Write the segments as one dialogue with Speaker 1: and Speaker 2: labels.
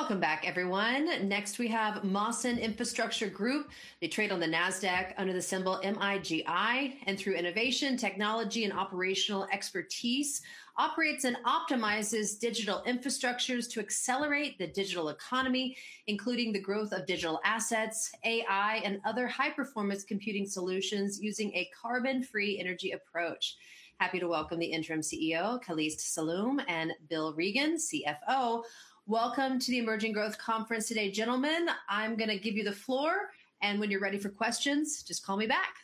Speaker 1: Welcome back, everyone. Next, we have Mawson Infrastructure Group. They trade on the NASDAQ under the symbol MIGI, and through innovation, technology, and operational expertise, operates and optimizes digital infrastructures to accelerate the digital economy, including the growth of digital assets, AI, and other high-performance computing solutions using a carbon-free energy approach. Happy to welcome the Interim CEO, Kaliste Saloom, and Bill Regan, CFO. Welcome to the Emerging Growth Conference today, gentlemen. I'm going to give you the floor, and when you're ready for questions, just call me back.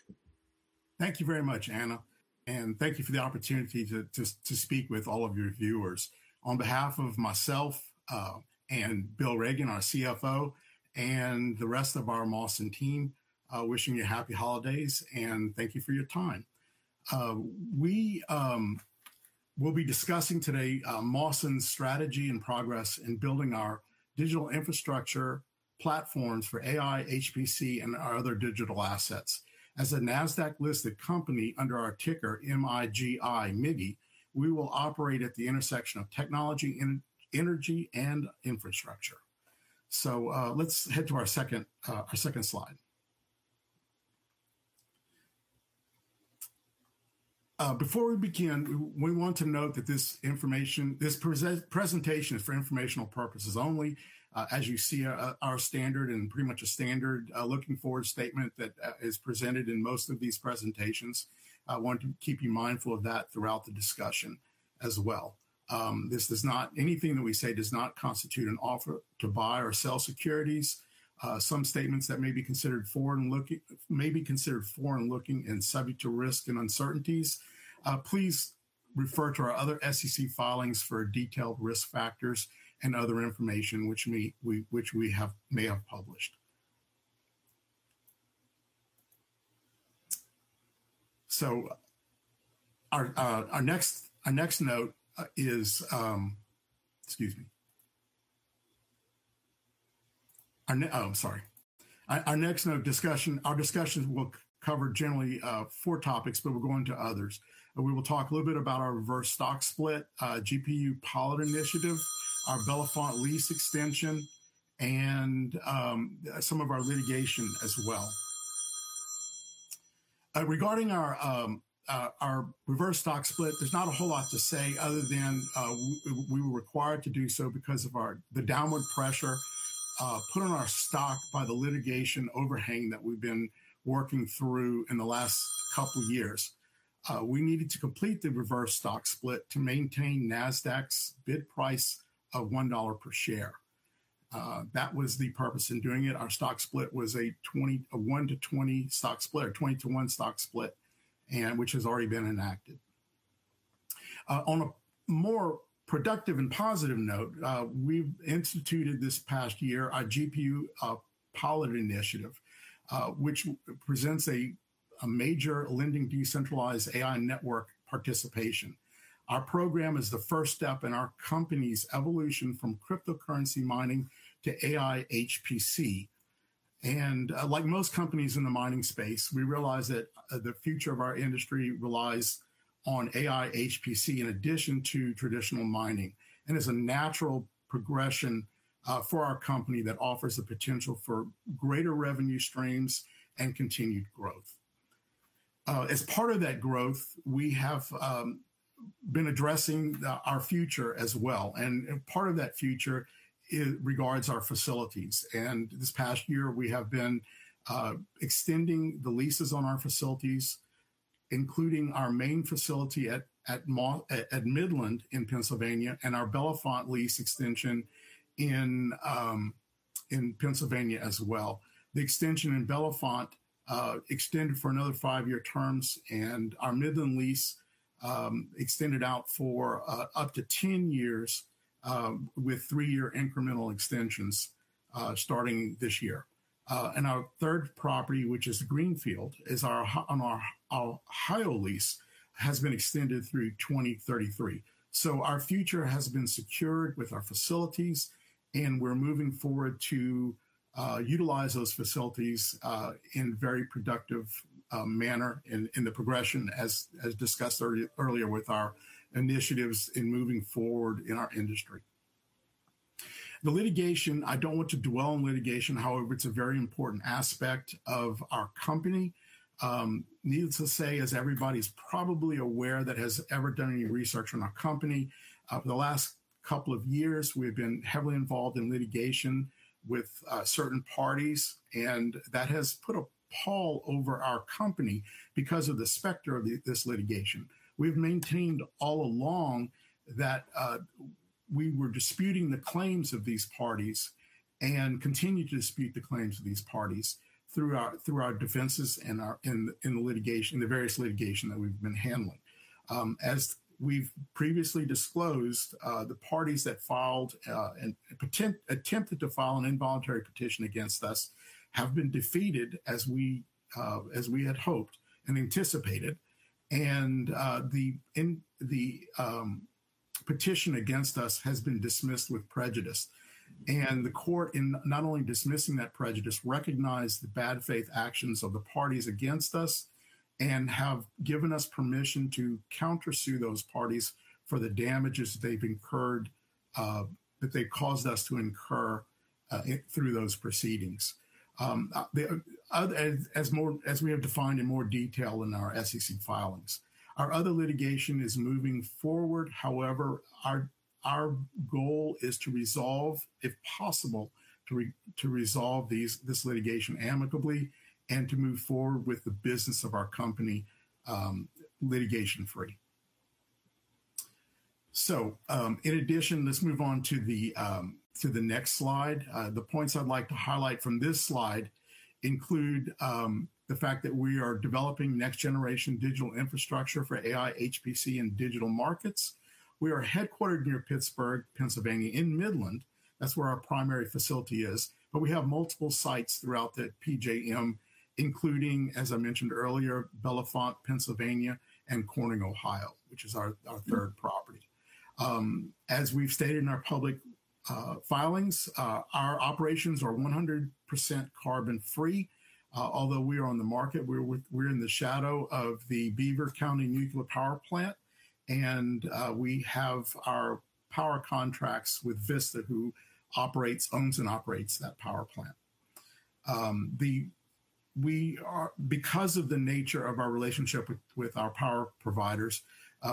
Speaker 2: Thank you very much, Anna, and thank you for the opportunity to speak with all of your viewers. On behalf of myself and Bill Regan, our CFO, and the rest of our Mawson team, wishing you happy holidays, and thank you for your time. We will be discussing today Mawson's strategy and progress in building our digital infrastructure platforms for AI, HPC, and our other digital assets. As a NASDAQ-listed company under our ticker MIGI, we will operate at the intersection of technology, energy, and infrastructure. So let's head to our second slide. Before we begin, we want to note that this information, this presentation is for informational purposes only. As you see, our standard and pretty much a standard forward-looking statement that is presented in most of these presentations. I want to keep you mindful of that throughout the discussion as well. Anything that we say does not constitute an offer to buy or sell securities. Some statements that may be considered forward-looking and subject to risk and uncertainties. Please refer to our other SEC filings for detailed risk factors and other information which we may have published. Our discussion will cover generally four topics, but we'll go into others. We will talk a little bit about our reverse stock split, GPU Pilot Initiative, our Bellefonte lease extension, and some of our litigation as well. Regarding our reverse stock split, there's not a whole lot to say other than we were required to do so because of the downward pressure put on our stock by the litigation overhang that we've been working through in the last couple of years. We needed to complete the reverse stock split to maintain NASDAQ's bid price of $1 per share. That was the purpose in doing it. Our reverse stock split was a 1-for-20 stock split, which has already been enacted. On a more productive and positive note, we've instituted this past year our GPU Pilot Initiative, which presents a major leading decentralized AI network participation. Our program is the first step in our company's evolution from cryptocurrency mining to AI HPC. And like most companies in the mining space, we realize that the future of our industry relies on AI HPC in addition to traditional mining. And it's a natural progression for our company that offers the potential for greater revenue streams and continued growth. As part of that growth, we have been addressing our future as well. Part of that future regards our facilities. This past year, we have been extending the leases on our facilities, including our main facility at Midland in Pennsylvania and our Bellefonte lease extension in Pennsylvania as well. The extension in Bellefonte extended for another five-year terms, and our Midland lease extended out for up to 10 years with three-year incremental extensions starting this year. Our third property, which is greenfield, is on our Ohio lease, has been extended through 2033. Our future has been secured with our facilities, and we're moving forward to utilize those facilities in a very productive manner in the progression, as discussed earlier with our initiatives in moving forward in our industry. The litigation. I don't want to dwell on litigation, however, it's a very important aspect of our company. Needless to say, as everybody's probably aware that has ever done any research on our company, the last couple of years, we've been heavily involved in litigation with certain parties, and that has put a pall over our company because of the specter of this litigation. We've maintained all along that we were disputing the claims of these parties and continue to dispute the claims of these parties through our defenses and the various litigation that we've been handling. As we've previously disclosed, the parties that filed and attempted to file an involuntary petition against us have been defeated, as we had hoped and anticipated, and the petition against us has been dismissed with prejudice. The court, in not only dismissing that with prejudice, recognized the bad faith actions of the parties against us and have given us permission to countersue those parties for the damages they've incurred, that they've caused us to incur through those proceedings, as we have defined in more detail in our SEC filings. Our other litigation is moving forward. However, our goal is to resolve, if possible, to resolve this litigation amicably and to move forward with the business of our company litigation-free. In addition, let's move on to the next slide. The points I'd like to highlight from this slide include the fact that we are developing next-generation digital infrastructure for AI HPC and digital markets. We are headquartered near Pittsburgh, Pennsylvania, in Midland. That's where our primary facility is. But we have multiple sites throughout the PJM, including, as I mentioned earlier, Bellefonte, Pennsylvania, and Corning, Ohio, which is our third property. As we've stated in our public filings, our operations are 100% carbon-free. Although we are on the market, we're in the shadow of the Beaver Valley Power Station. And we have our power contracts with Vistra, who operates, owns, and operates that power plant. Because of the nature of our relationship with our power providers,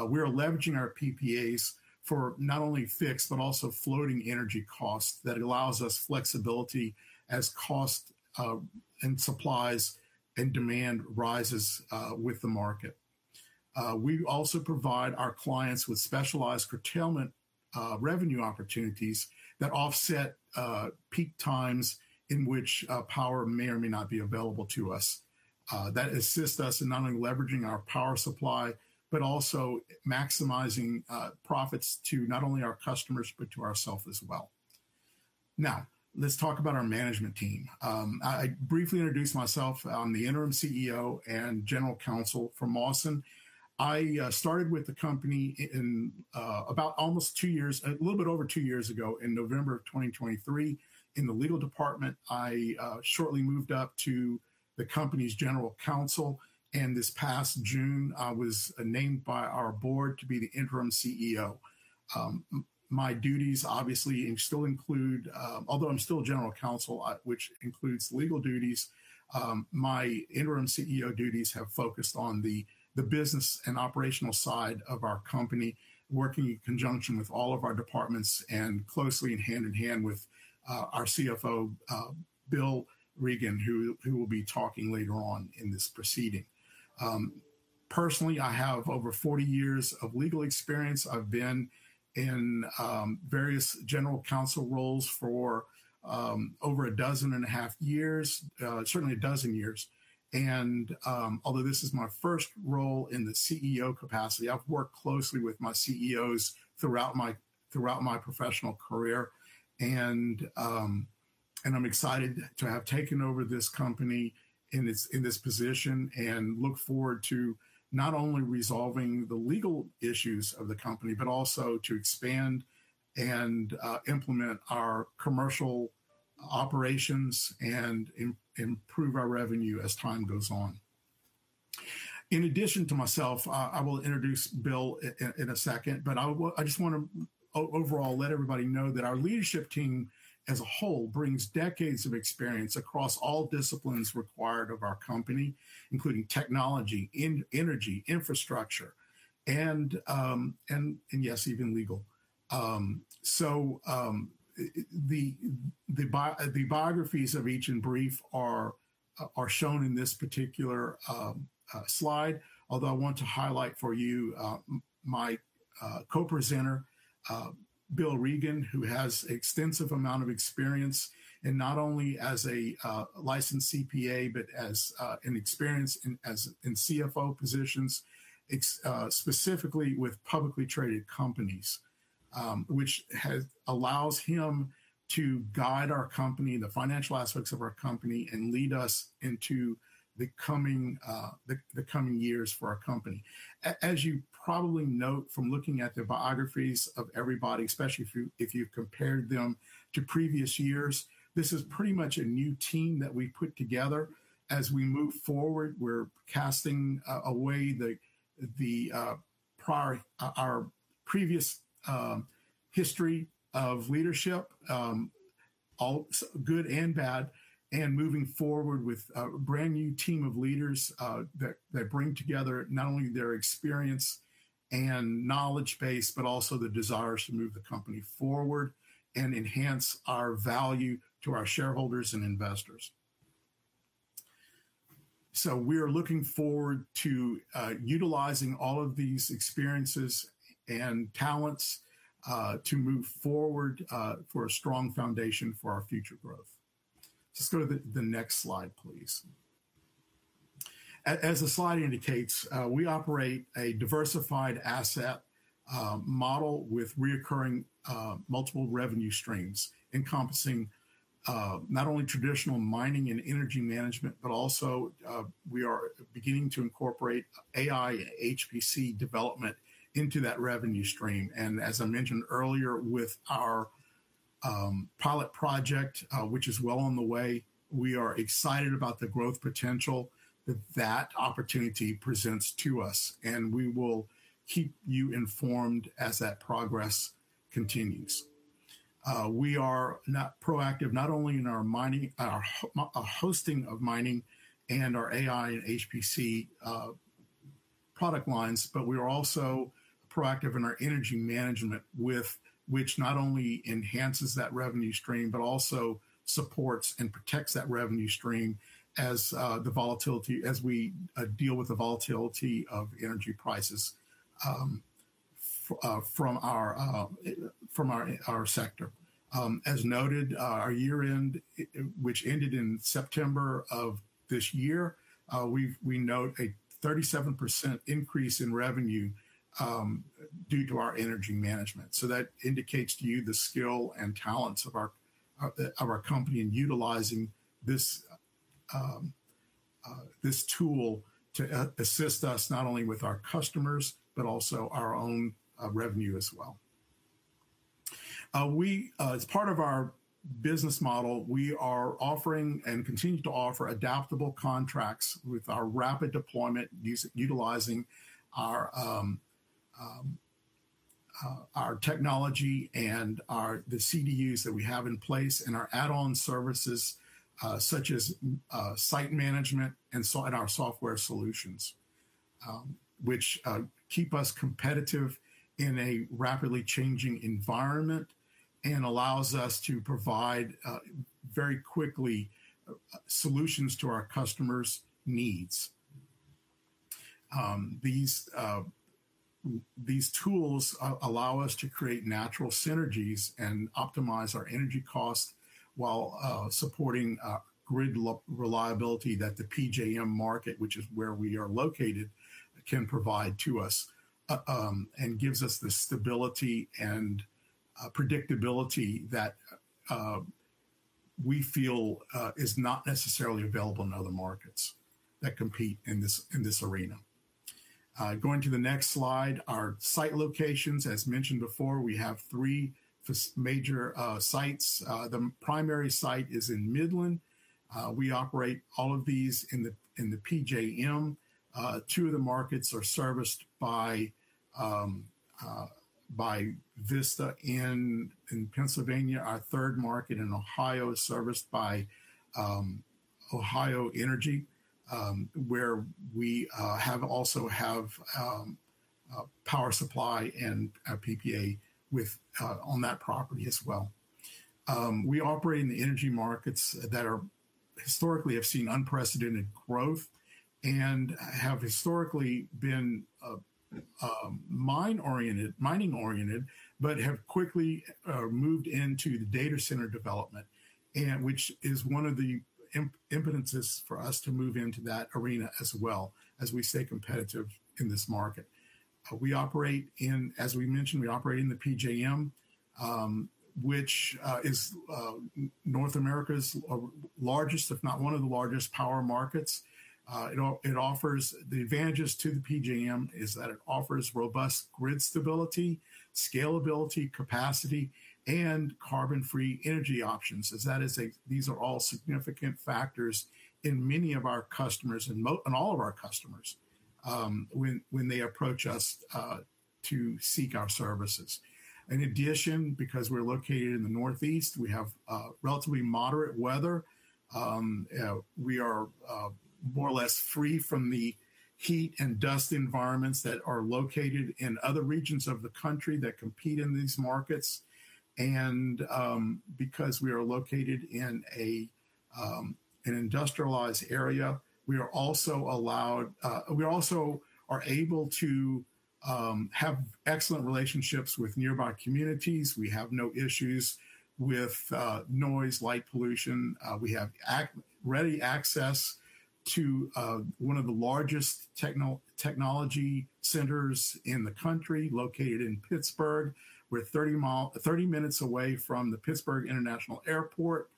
Speaker 2: we are leveraging our PPAs for not only fixed, but also floating energy costs that allows us flexibility as cost and supplies and demand rises with the market. We also provide our clients with specialized curtailment revenue opportunities that offset peak times in which power may or may not be available to us. That assists us in not only leveraging our power supply, but also maximizing profits to not only our customers, but to ourselves as well. Now, let's talk about our management team. I briefly introduced myself. I'm the Interim CEO and General Counsel for Mawson. I started with the company in about almost two years, a little bit over two years ago, in November of 2023. In the legal department, I shortly moved up to the company's General Counsel, and this past June, I was named by our board to be the Interim CEO. My duties obviously still include, although I'm still General Counsel, which includes legal duties, my Interim CEO duties have focused on the business and operational side of our company, working in conjunction with all of our departments and closely and hand in hand with our CFO, Bill Regan, who will be talking later on in this proceeding. Personally, I have over 40 years of legal experience. I've been in various general counsel roles for over a dozen and a half years, certainly a dozen years, and although this is my first role in the CEO capacity, I've worked closely with my CEOs throughout my professional career, and I'm excited to have taken over this company in this position and look forward to not only resolving the legal issues of the company, but also to expand and implement our commercial operations and improve our revenue as time goes on. In addition to myself, I will introduce Bill in a second, but I just want to overall let everybody know that our leadership team as a whole brings decades of experience across all disciplines required of our company, including technology, energy, infrastructure, and yes, even legal, so the biographies of each in brief are shown in this particular slide. Although I want to highlight for you my co-presenter, Bill Regan, who has an extensive amount of experience in not only as a licensed CPA, but as an experience in CFO positions, specifically with publicly traded companies, which allows him to guide our company, the financial aspects of our company, and lead us into the coming years for our company. As you probably note from looking at the biographies of everybody, especially if you compared them to previous years, this is pretty much a new team that we've put together. As we move forward, we're casting away our previous history of leadership, good and bad, and moving forward with a brand new team of leaders that bring together not only their experience and knowledge base, but also the desires to move the company forward and enhance our value to our shareholders and investors. So we are looking forward to utilizing all of these experiences and talents to move forward for a strong foundation for our future growth. Let's go to the next slide, please. As the slide indicates, we operate a diversified asset model with recurring multiple revenue streams encompassing not only traditional mining and energy management, but also we are beginning to incorporate AI and HPC development into that revenue stream. And as I mentioned earlier, with our pilot project, which is well on the way, we are excited about the growth potential that that opportunity presents to us. And we will keep you informed as that progress continues. We are proactive not only in our hosting of mining and our AI and HPC product lines, but we are also proactive in our energy management, which not only enhances that revenue stream, but also supports and protects that revenue stream as we deal with the volatility of energy prices from our sector. As noted, our year-end, which ended in September of this year, we note a 37% increase in revenue due to our energy management, so that indicates to you the skill and talents of our company in utilizing this tool to assist us not only with our customers, but also our own revenue as well. As part of our business model, we are offering and continue to offer adaptable contracts with our rapid deployment, utilizing our technology and the CDUs that we have in place and our add-on services, such as site management and our software solutions, which keep us competitive in a rapidly changing environment and allows us to provide very quickly solutions to our customers' needs. These tools allow us to create natural synergies and optimize our energy costs while supporting grid reliability that the PJM market, which is where we are located, can provide to us and gives us the stability and predictability that we feel is not necessarily available in other markets that compete in this arena. Going to the next slide, our site locations. As mentioned before, we have three major sites. The primary site is in Midland. We operate all of these in the PJM. Two of the markets are serviced by Vistra in Pennsylvania. Our third market in Ohio is serviced by Ohio Energy, where we also have power supply and PPA on that property as well. We operate in the energy markets that historically have seen unprecedented growth and have historically been mining-oriented, but have quickly moved into the data center development, which is one of the impetuses for us to move into that arena as well, as we stay competitive in this market. As we mentioned, we operate in the PJM, which is North America's largest, if not one of the largest power markets. The advantages to the PJM are that it offers robust grid stability, scalability, capacity, and carbon-free energy options. These are all significant factors in many of our customers and all of our customers when they approach us to seek our services. In addition, because we're located in the northeast, we have relatively moderate weather. We are more or less free from the heat and dust environments that are located in other regions of the country that compete in these markets. And because we are located in an industrialized area, we are also able to have excellent relationships with nearby communities. We have no issues with noise, light pollution. We have ready access to one of the largest technology centers in the country located in Pittsburgh. We're 30 minutes away from the Pittsburgh International Airport,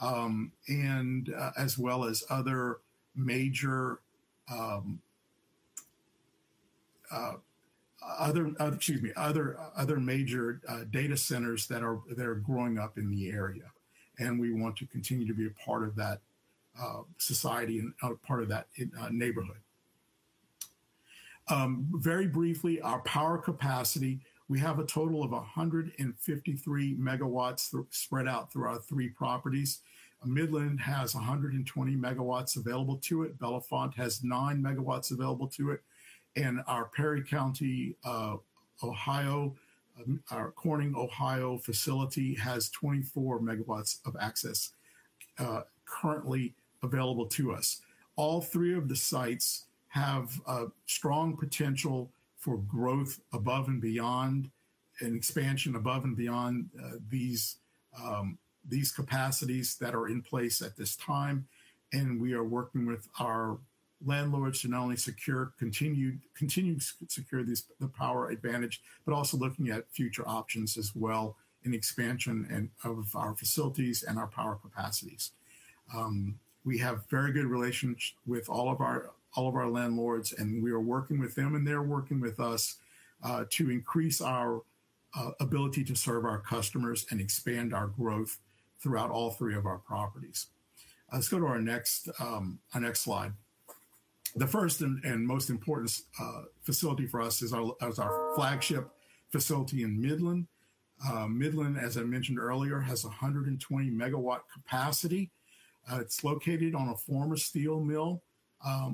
Speaker 2: as well as other major data centers that are growing up in the area. And we want to continue to be a part of that society and part of that neighborhood. Very briefly, our power capacity, we have a total of 153 megawatts spread out through our three properties. Midland has 120 megawatts available to it. Bellefonte has nine megawatts available to it. Our Perry County, Corning, Ohio facility has 24 megawatts of access currently available to us. All three of the sites have strong potential for growth above and beyond and expansion above and beyond these capacities that are in place at this time. We are working with our landlords to not only continue to secure the power advantage, but also looking at future options as well in expansion of our facilities and our power capacities. We have very good relations with all of our landlords, and we are working with them, and they're working with us to increase our ability to serve our customers and expand our growth throughout all three of our properties. Let's go to our next slide. The first and most important facility for us is our flagship facility in Midland. Midland, as I mentioned earlier, has 120 megawatt capacity. It's located on a former steel mill,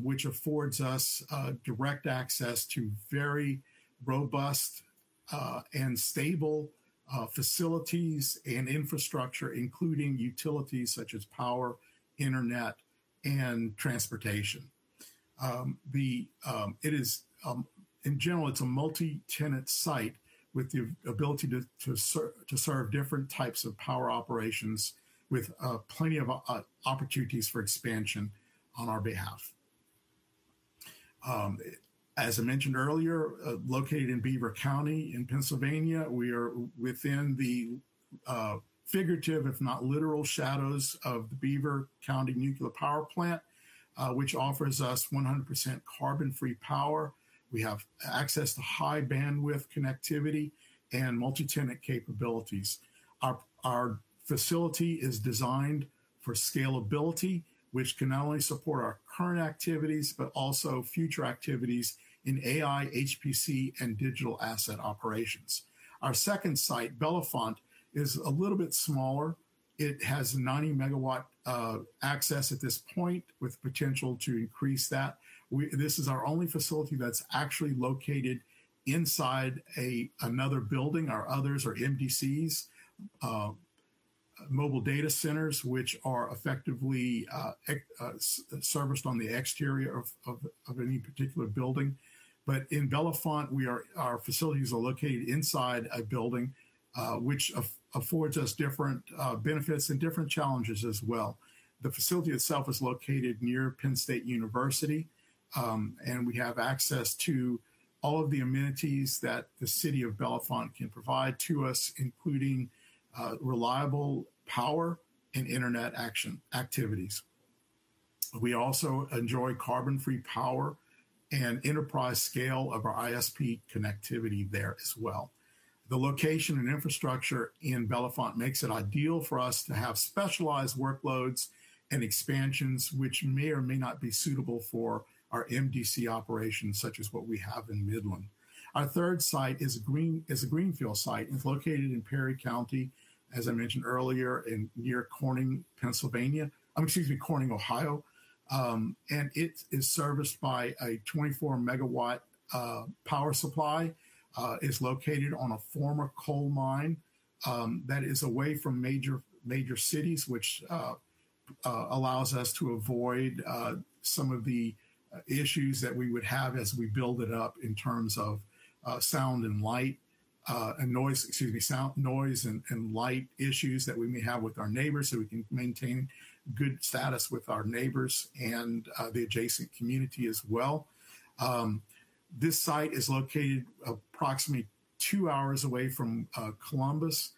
Speaker 2: which affords us direct access to very robust and stable facilities and infrastructure, including utilities such as power, internet, and transportation. In general, it's a multi-tenant site with the ability to serve different types of power operations with plenty of opportunities for expansion on our behalf. As I mentioned earlier, located in Beaver County in Pennsylvania, we are within the figurative, if not literal shadows of the Beaver Valley Power Station, which offers us 100% carbon-free power. We have access to high bandwidth connectivity and multi-tenant capabilities. Our facility is designed for scalability, which can not only support our current activities, but also future activities in AI, HPC, and digital asset operations. Our second site, Bellefonte, is a little bit smaller. It has 90-megawatt access at this point with potential to increase that. This is our only facility that's actually located inside another building. Our others are MDCs, mobile data centers, which are effectively serviced on the exterior of any particular building, but in Bellefonte, our facilities are located inside a building, which affords us different benefits and different challenges as well. The facility itself is located near Penn State University, and we have access to all of the amenities that the city of Bellefonte can provide to us, including reliable power and internet activities. We also enjoy carbon-free power and enterprise scale of our ISP connectivity there as well. The location and infrastructure in Bellefonte makes it ideal for us to have specialized workloads and expansions, which may or may not be suitable for our MDC operations, such as what we have in Midland. Our third site is a greenfield site. It's located in Perry County, as I mentioned earlier, near Corning, Pennsylvania, excuse me, Corning, Ohio. It is serviced by a 24-megawatt power supply. It's located on a former coal mine that is away from major cities, which allows us to avoid some of the issues that we would have as we build it up in terms of sound and light and noise and light issues that we may have with our neighbors so we can maintain good status with our neighbors and the adjacent community as well. This site is located approximately two hours away from Columbus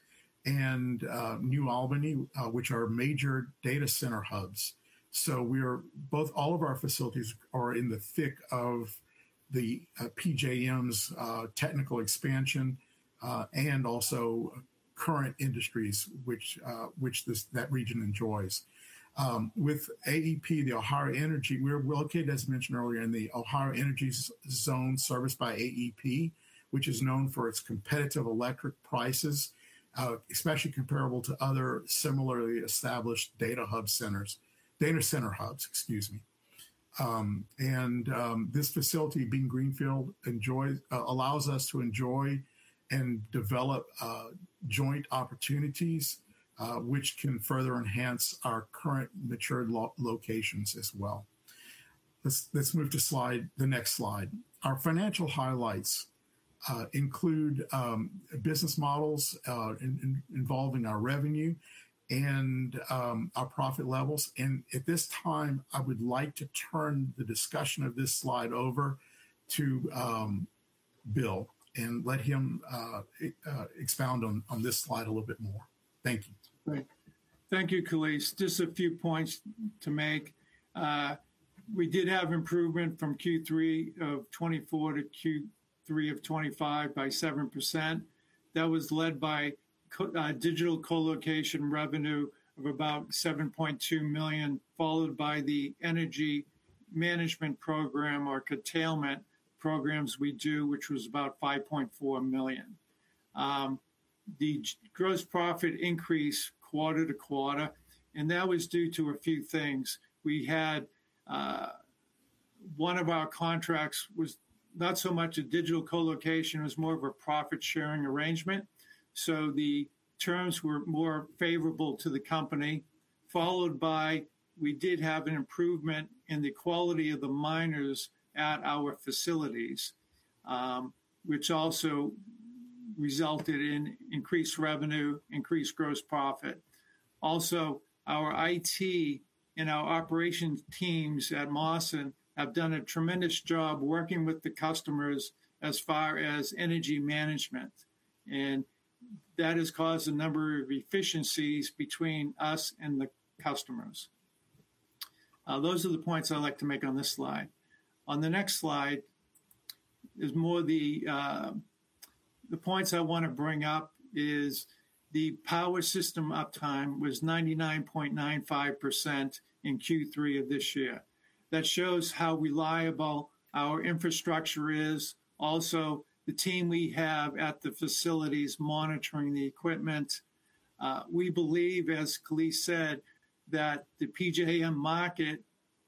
Speaker 2: and New Albany, which are major data center hubs. All of our facilities are in the thick of the PJM's technical expansion and also current industries, which that region enjoys. With AEP, the Ohio energy, we're located, as mentioned earlier, in the Ohio Energy Zone serviced by AEP, which is known for its competitive electric prices, especially comparable to other similarly established data hub centers - data center hubs, excuse me. And this facility, being greenfield, allows us to enjoy and develop joint opportunities, which can further enhance our current matured locations as well. Let's move to the next slide. Our financial highlights include business models involving our revenue and our profit levels. And at this time, I would like to turn the discussion of this slide over to Bill and let him expound on this slide a little bit more. Thank you.
Speaker 3: Thank you, Kaliste. Just a few points to make. We did have improvement from Q3 of 2024 to Q3 of 2025 by 7%. That was led by digital co-location revenue of about $7.2 million, followed by the energy management program, our curtailment programs we do, which was about $5.4 million. The gross profit increased quarter to quarter, and that was due to a few things. One of our contracts was not so much a digital co-location. It was more of a profit-sharing arrangement. So the terms were more favorable to the company, followed by we did have an improvement in the quality of the miners at our facilities, which also resulted in increased revenue, increased gross profit. Also, our IT and our operations teams at Mawson have done a tremendous job working with the customers as far as energy management. That has caused a number of efficiencies between us and the customers. Those are the points I'd like to make on this slide. On the next slide, the points I want to bring up are the power system uptime was 99.95% in Q3 of this year. That shows how reliable our infrastructure is. Also, the team we have at the facilities monitoring the equipment. We believe, as Kaliste said, that the PJM market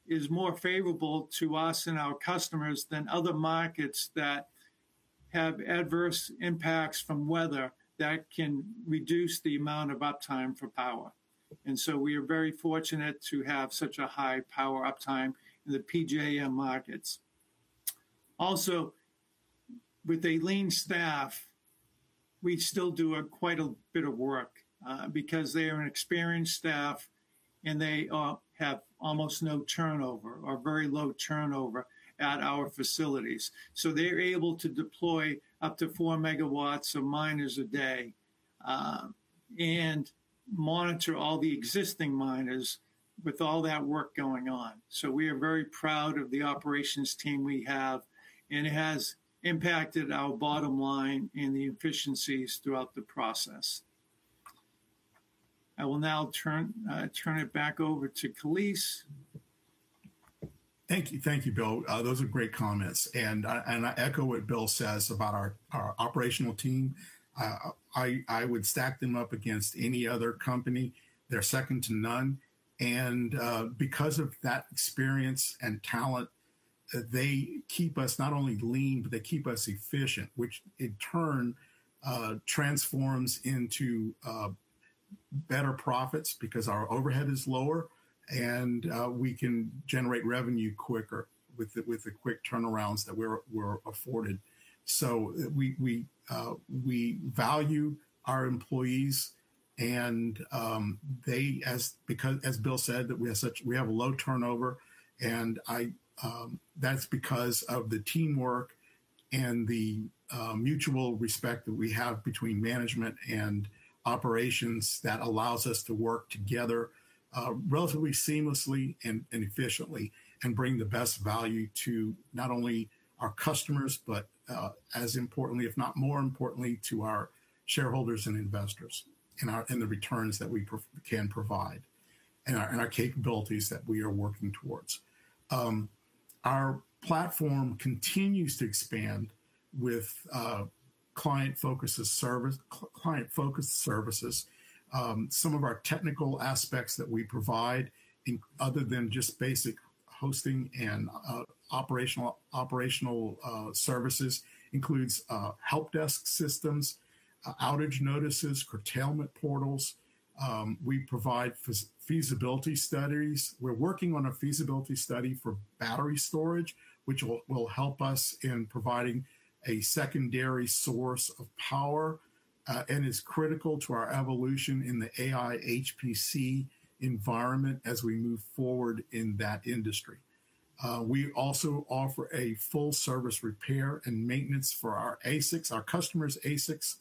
Speaker 3: is more favorable to us and our customers than other markets that have adverse impacts from weather that can reduce the amount of uptime for power. And so we are very fortunate to have such a high power uptime in the PJM markets. Also, with a lean staff, we still do quite a bit of work because they are an experienced staff, and they have almost no turnover or very low turnover at our facilities. So they're able to deploy up to 4 megawatts of miners a day and monitor all the existing miners with all that work going on. So we are very proud of the operations team we have, and it has impacted our bottom line and the efficiencies throughout the process. I will now turn it back over to Kaliste.
Speaker 2: Thank you, Bill. Those are great comments. And I echo what Bill says about our operational team. I would stack them up against any other company. They're second to none. And because of that experience and talent, they keep us not only lean, but they keep us efficient, which in turn transforms into better profits because our overhead is lower and we can generate revenue quicker with the quick turnarounds that we're afforded. So we value our employees, and as Bill said, we have low turnover. And that's because of the teamwork and the mutual respect that we have between management and operations that allows us to work together relatively seamlessly and efficiently and bring the best value to not only our customers, but as importantly, if not more importantly, to our shareholders and investors and the returns that we can provide and our capabilities that we are working towards. Our platform continues to expand with client-focused services. Some of our technical aspects that we provide, other than just basic hosting and operational services, include help desk systems, outage notices, curtailment portals. We provide feasibility studies. We're working on a feasibility study for battery storage, which will help us in providing a secondary source of power and is critical to our evolution in the AI, HPC environment as we move forward in that industry. We also offer a full-service repair and maintenance for our ASICs, our customers' ASICs,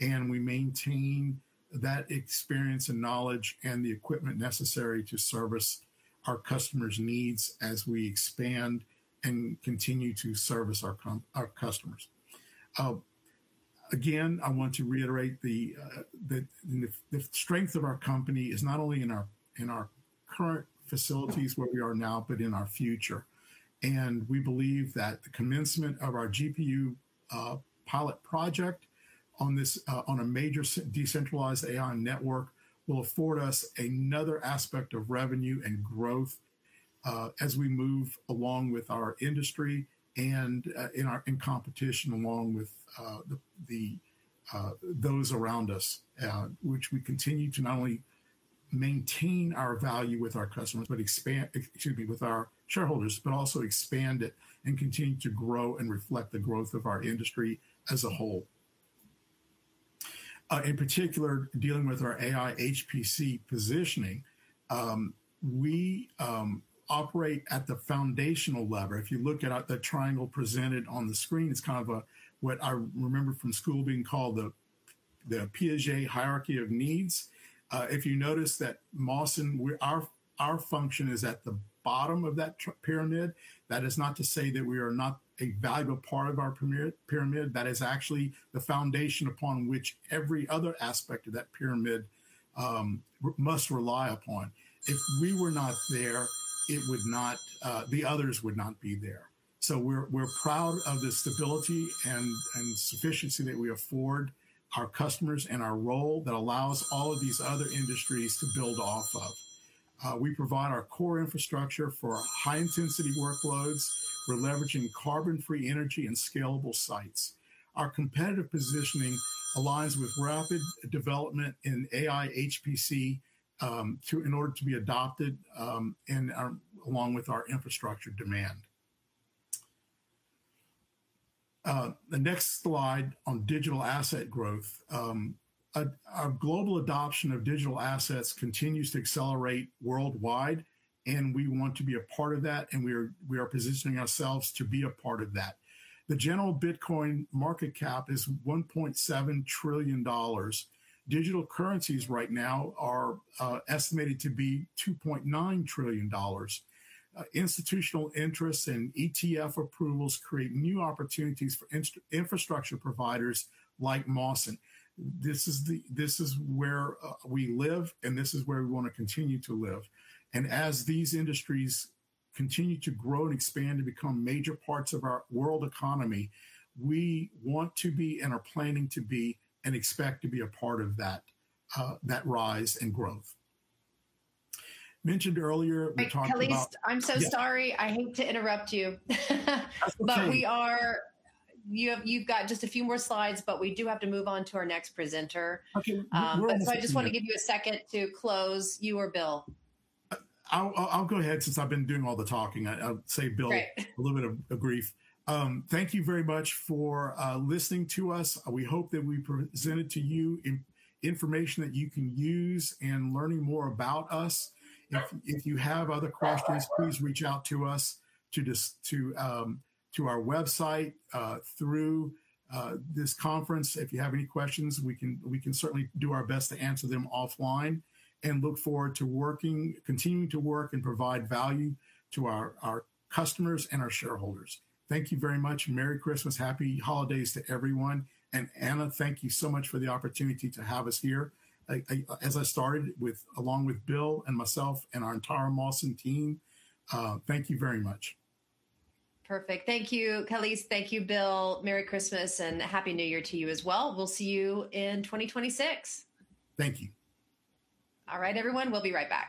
Speaker 2: and we maintain that experience and knowledge and the equipment necessary to service our customers' needs as we expand and continue to service our customers. Again, I want to reiterate the strength of our company is not only in our current facilities where we are now, but in our future. And we believe that the commencement of our GPU pilot project on a major decentralized AI network will afford us another aspect of revenue and growth as we move along with our industry and in competition along with those around us, which we continue to not only maintain our value with our customers, excuse me, with our shareholders, but also expand it and continue to grow and reflect the growth of our industry as a whole. In particular, dealing with our AI, HPC positioning, we operate at the foundational level. If you look at the triangle presented on the screen, it's kind of what I remember from school being called the Piaget hierarchy of needs. If you notice that Mawson, our function is at the bottom of that pyramid. That is not to say that we are not a valuable part of our pyramid. That is actually the foundation upon which every other aspect of that pyramid must rely upon. If we were not there, the others would not be there. So we're proud of the stability and sufficiency that we afford our customers and our role that allows all of these other industries to build off of. We provide our core infrastructure for high-intensity workloads. We're leveraging carbon-free energy and scalable sites. Our competitive positioning aligns with rapid development in AI, HPC in order to be adopted along with our infrastructure demand. The next slide on digital asset growth. Our global adoption of digital assets continues to accelerate worldwide, and we want to be a part of that, and we are positioning ourselves to be a part of that. The general Bitcoin market cap is $1.7 trillion. Digital currencies right now are estimated to be $2.9 trillion. Institutional interests and ETF approvals create new opportunities for infrastructure providers like Mawson. This is where we live, and this is where we want to continue to live. And as these industries continue to grow and expand to become major parts of our world economy, we want to be and are planning to be and expect to be a part of that rise and growth. Mentioned earlier.
Speaker 1: Kaliste, I'm so sorry. I hate to interrupt you. But you've got just a few more slides, but we do have to move on to our next presenter. So I just want to give you a second to close. You or Bill?
Speaker 2: I'll go ahead since I've been doing all the talking. I'll give Bill a little bit of grief. Thank you very much for listening to us. We hope that we presented to you information that you can use in learning more about us. If you have other questions, please reach out to us to our website through this conference. If you have any questions, we can certainly do our best to answer them offline and look forward to continuing to work and provide value to our customers and our shareholders. Thank you very much. Merry Christmas. Happy holidays to everyone and Anna, thank you so much for the opportunity to have us here. As I started along with Bill and myself and our entire Mawson team, thank you very much.
Speaker 1: Perfect. Thank you, Kaliste. Thank you, Bill. Merry Christmas and Happy New Year to you as well. We'll see you in 2026.
Speaker 3: Thank you.
Speaker 1: All right, everyone. We'll be right back.